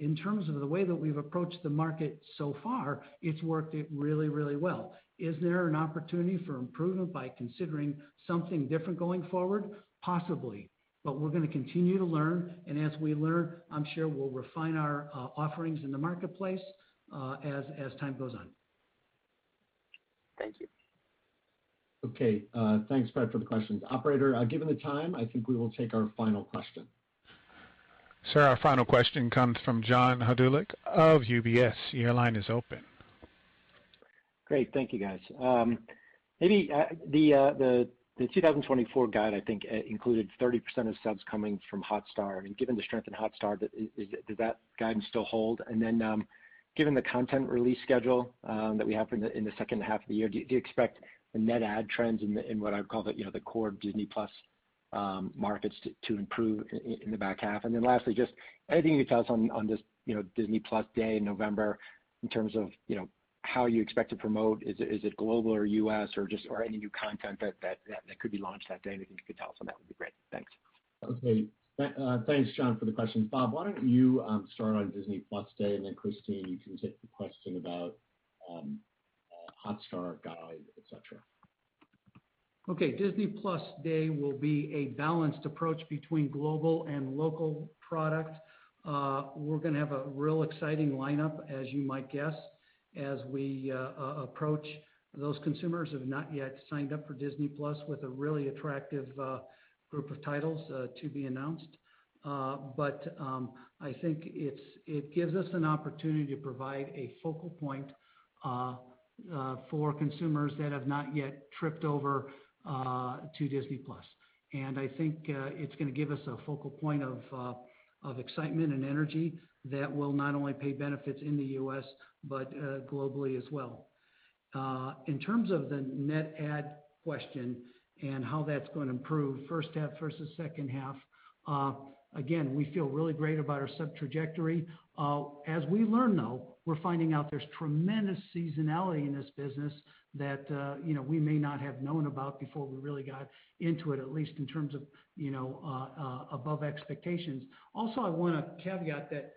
In terms of the way that we've approached the market so far, it's worked out really, really well. Is there an opportunity for improvement by considering something different going forward? Possibly, we're going to continue to learn, and as we learn, I'm sure we'll refine our offerings in the marketplace as time goes on. Thank you. Okay. Thanks, Brett, for the questions. Operator given the time, I think we will take our final question. Sir, our final question comes from John Hodulik of UBS. Your line is open. Great. Thank you, guys. Maybe the 2024 guide, I think included 30% of subs coming from Hotstar. Given the strength in Hotstar, does that guidance still hold? Given the content release schedule that we have in the second half of the year, do you expect the net add trends in what I would call the core Disney+ markets to improve in the back half? Just anything you could tell us on this Disney+ Day in November in terms of how you expect to promote. Is it global or U.S. or any new content that could be launched that day? Anything you could tell us on that would be great. Thanks. Okay. Thanks, John, for the question. Bob, why don't you start on Disney+ Day, and then Christine, you can take the question about Hotstar, Gaia, et cetera. Okay. Disney+ Day will be a balanced approach between global and local product. We're going to have a real exciting lineup, as you might guess, as we approach those consumers who have not yet signed up for Disney+ with a really attractive group of titles to be announced. I think it gives us an opportunity to provide a focal point for consumers that have not yet tripped over to Disney+. I think it's going to give us a focal point of excitement and energy that will not only pay benefits in the U.S. but globally as well. In terms of the net add question and how that's going to improve first half versus second half, again, we feel really great about our sub trajectory. As we learn, though, we're finding out there's tremendous seasonality in this business that we may not have known about before we really got into it, at least in terms of above expectations. I want to caveat that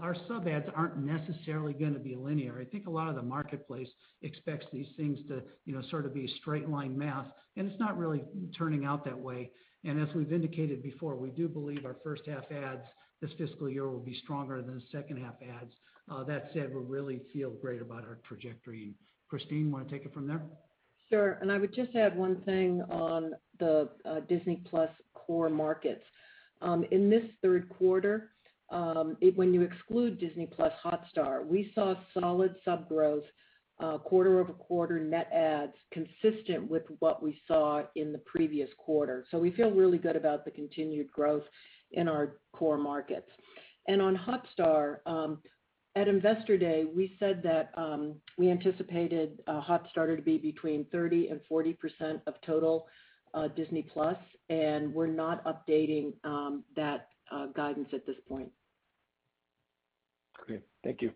our sub adds aren't necessarily going to be linear. I think a lot of the marketplace expects these things to sort of be straight line math, and it's not really turning out that way. As we've indicated before, we do believe our first half adds this fiscal year will be stronger than second half adds. That said, we really feel great about our trajectory. Christine, you want to take it from there? Sure. I would just add one thing on the Disney+ core markets. In this third quarter, when you exclude Disney+ Hotstar, we saw solid sub growth quarter-over-quarter net adds consistent with what we saw in the previous quarter. We feel really good about the continued growth in our core markets. On Hotstar, at Investor Day, we said that we anticipated Hotstar to be between 30% and 40% of total Disney+, and we're not updating that guidance at this point. Great. Thank you.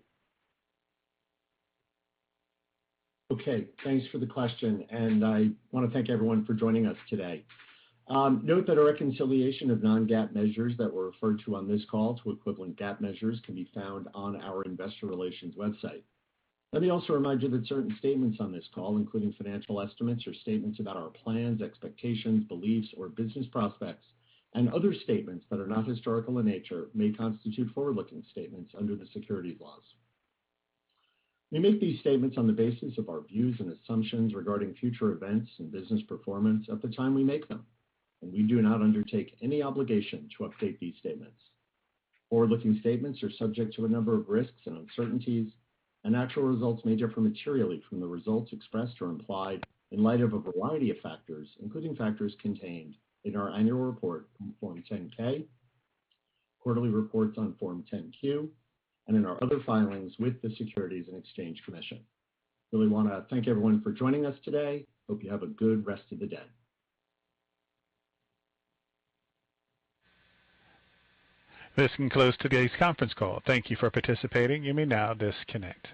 Okay, thanks for the question. I want to thank everyone for joining us today. Note that a reconciliation of non-GAAP measures that were referred to on this call to equivalent GAAP measures can be found on our investor relations website. Let me also remind you that certain statements on this call, including financial estimates or statements about our plans, expectations, beliefs, or business prospects, and other statements that are not historical in nature, may constitute forward-looking statements under the securities laws. We make these statements on the basis of our views and assumptions regarding future events and business performance at the time we make them. We do not undertake any obligation to update these statements. Forward-looking statements are subject to a number of risks and uncertainties, and actual results may differ materially from the results expressed or implied in light of a variety of factors, including factors contained in our annual report on Form 10-K, quarterly reports on Form 10-Q, and in our other filings with the Securities and Exchange Commission. We really want to thank everyone for joining us today. We hope you have a good rest of the day. This concludes today's conference call. Thank you for participating. You may now disconnect.